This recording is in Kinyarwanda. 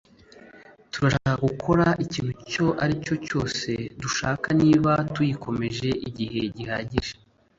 Turashobora gukora ikintu icyo ari cyo cyose dushaka niba tuyikomeje igihe gihagije.